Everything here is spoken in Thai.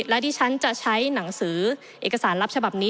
และที่ฉันจะใช้หนังสือเอกสารลับฉบับนี้